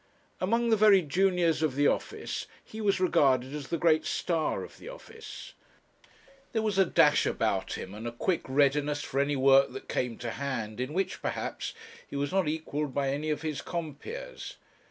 Among the very juniors of the office he was regarded as the great star of the office. There was a dash about him and a quick readiness for any work that came to hand in which, perhaps, he was not equalled by any of his compeers.